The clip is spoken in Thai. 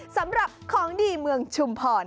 สำหรับของดีเมืองชุมพร